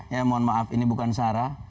ya mohon maaf ini bukan sarah